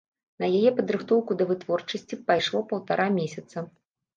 На яе падрыхтоўку да вытворчасці пайшло паўтара месяца.